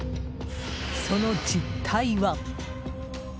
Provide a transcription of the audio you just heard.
その実態は？